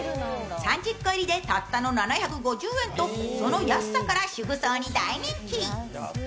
３０個入りでたったの７５０円とその安さから主婦層に大人気。